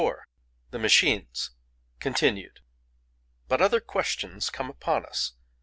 THE MACHINES—continued "But other questions come upon us.